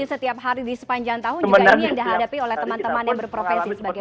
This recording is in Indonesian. setiap hari di sepanjang tahun juga ini yang dihadapi oleh teman teman yang berprofesi sebagai